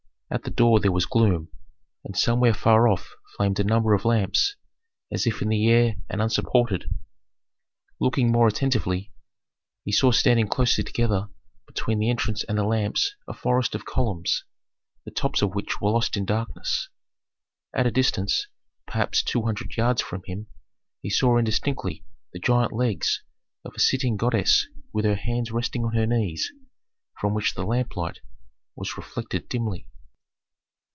At the door there was gloom, and somewhere far off flamed a number of lamps, as if in the air and unsupported. Looking more attentively, he saw standing closely together between the entrance and the lamps a forest of columns, the tops of which were lost in darkness. At a distance, perhaps two hundred yards from him, he saw indistinctly the gigantic legs of a sitting goddess with her hands resting on her knees, from which the lamplight was reflected dimly.